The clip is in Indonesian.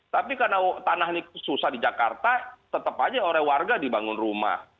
tapi karena tanah ini susah di jakarta tetap aja oleh warga dibangun rumah